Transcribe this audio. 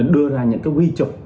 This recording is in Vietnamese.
đưa ra những cái quy trục